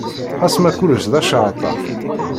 Xas ma kullec d aceɛtan.